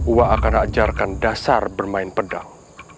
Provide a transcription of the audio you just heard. wak akan mengajarkan dasar bermain pedang